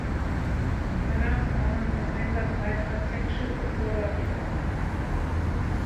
Danach sah man vom Einsatz weiterer Z-Schiffe vorläufig ab.